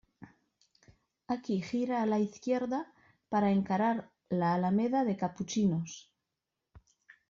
Aquí gira a la izquierda para encarar la Alameda de Capuchinos.